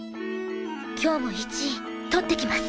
今日も１位取ってきます！